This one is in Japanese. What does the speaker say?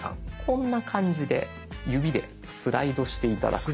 こんな感じで指でスライドして頂くと。